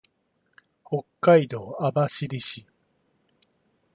北海道網走市